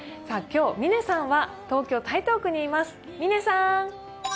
今日、嶺さんは東京・台東区にいます。